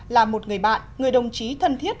là một người bạn người đồng chí thân thiết